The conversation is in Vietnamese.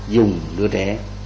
dùng đứa trẻ